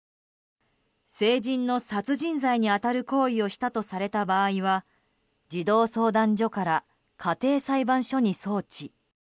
成人の殺人罪に当たる行為をしたとされた場合は児童相談所から家庭裁判所に送致。